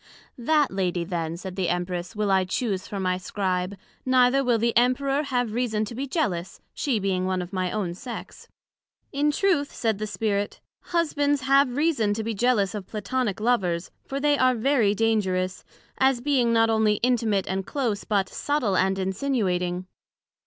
That Lady then, said the Empress, will I chuse for my Scribe, neither will the Emperor have reason to be jealous, she being one of my own sex. In truth, said the Spirit, Husbands have reason to be jealous of Platonick Lovers, for they are very dangerous, as being not onely intimate and close, but subtil and insinuating.